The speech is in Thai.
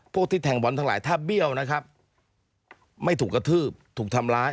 พวกที่แทงบอลทั้งหลายถ้าเบี้ยวนะครับไม่ถูกกระทืบถูกทำร้าย